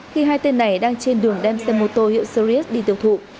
khi hai tên này đang trên đường đem xe mô tô hiệu series đi tiêu thụ